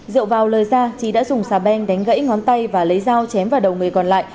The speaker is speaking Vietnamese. rượu vào lời ra trí đã dùng xà beng đánh gãy ngón tay và lấy dao chém vào đầu người còn lại